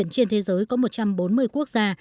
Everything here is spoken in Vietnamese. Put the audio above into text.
trên thế giới có một trăm bốn mươi quốc gia